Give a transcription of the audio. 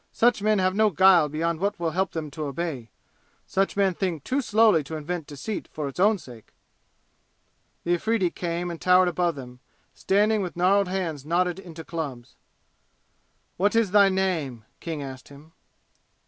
Such men have no guile beyond what will help them to obey! Such men think too slowly to invent deceit for its own sake!" The Afridi came and towered above them, standing with gnarled hands knotted into clubs. "What is thy name?" King asked him.